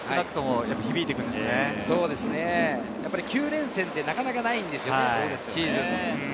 ９連戦ってシーズンの中でなかなかないんですよね。